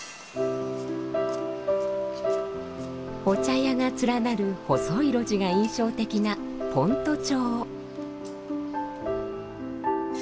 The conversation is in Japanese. お茶屋が連なる細い路地が印象的な先斗町。